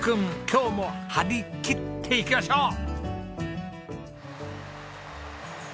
今日も張り切っていきましょう！